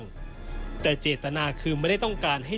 แม่จะมาเรียกร้องอะไร